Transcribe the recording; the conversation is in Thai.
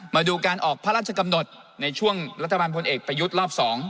มาดูการออกพระราชกำหนดในช่วงรัฐบาลพลเอกประยุทธ์รอบ๒